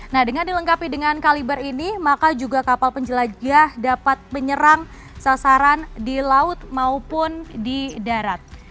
nah dengan dilengkapi dengan kaliber ini maka juga kapal penjelajah dapat menyerang sasaran di laut maupun di darat